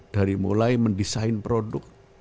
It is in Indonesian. dari mulai mendesain produk